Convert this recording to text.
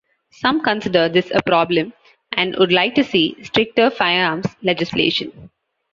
Some consider this a problem and would like to see stricter firearms legislation.